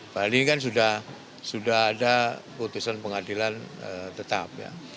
paling ini kan sudah ada keutusan pengadilan tetap ya